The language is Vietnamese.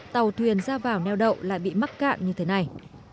tàu thuyền ra vào neo đậu lại bị mắc cạn như thế này